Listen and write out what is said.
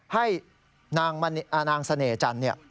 ให้นางเสน่ห์จันทร์